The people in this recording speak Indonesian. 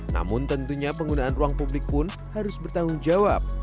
namun tentunya penggunaan ruang publik pun harus bertanggung jawab